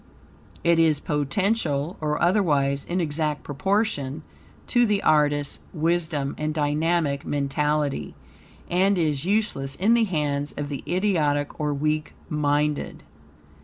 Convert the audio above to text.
It is potential or otherwise, in exact proportion to the artist's wisdom and dynamic mentality, and is useless in the hands of the idiotic or weak minded.